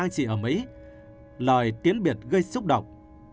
vì ở mỹ lời tiến biệt gây xúc động